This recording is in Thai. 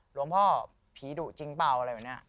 หลวงพ่อผีดุจริงเปล่าอะไรแบบนี้